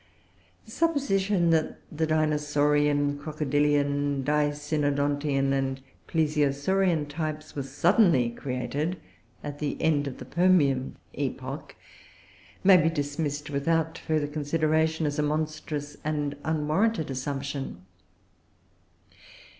The supposition that the Dinosaurian, Crocodilian, Dicynodontian, and to Plesiosaurian types were suddenly created at the end of the Permian epoch may be dismissed, without further consideration, as a monstrous and unwarranted assumption.